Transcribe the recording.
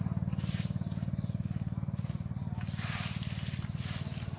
ทุกวันใหม่ทุกวันใหม่